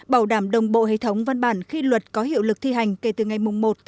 bảo đảm đồng bộ hệ thống văn bản khi luật có hiệu lực thi hành kể từ ngày một bảy hai nghìn hai mươi bốn